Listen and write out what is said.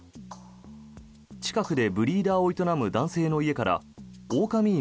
近くでブリーダーを営む男性の家から狼犬